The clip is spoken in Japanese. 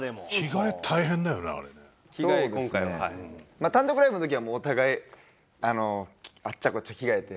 まあ単独ライブの時はお互いあっちゃこっちゃ着替えて。